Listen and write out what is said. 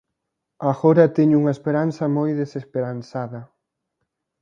Agora teño unha esperanza moi desesperanzada.